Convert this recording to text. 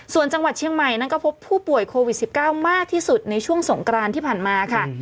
ส่วนจังหวัดเชียงใหม่นั้นก็พบผู้ป่วยโควิด๑๙มากที่สุดในช่วงสงกรานที่ผ่านมาค่ะ